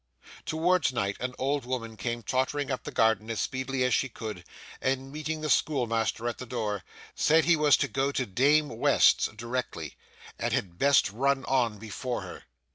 Towards night an old woman came tottering up the garden as speedily as she could, and meeting the schoolmaster at the door, said he was to go to Dame West's directly, and had best run on before her.